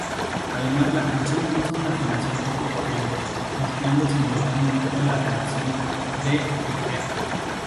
Además la canción usa una afinación poco corriente, mezclando simultáneamente afinación -D y Eb.